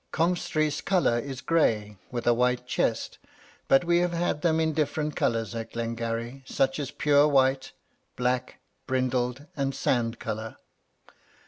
"Comhstri's colour is grey, with a white chest; but we have had them of different colours at Glengarry, such as pure white, black, brindled, and sand colour.